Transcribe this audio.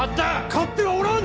勝ってはおらん！